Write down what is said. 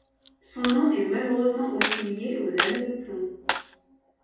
Son nom est malheureusement aussi lié aux années de plomb.